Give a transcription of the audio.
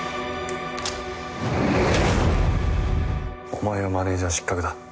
お前はマネージャー失格だ。